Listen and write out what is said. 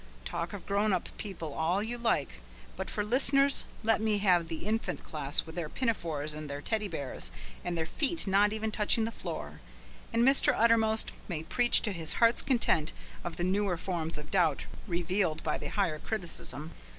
Talk of grown up people all you like, but for listeners let me have the Infant Class with their pinafores and their Teddy Bears and their feet not even touching the floor, and Mr. Uttermost may preach to his heart's content of the newer forms of doubt revealed by the higher criticism.